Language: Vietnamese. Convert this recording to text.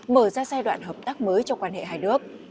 mở ra giai đoạn hợp tác mới cho quan hệ hai nước